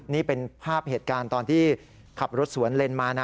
นี่เป็นภาพเหตุการณ์ตอนที่ขับรถสวนเลนมานะ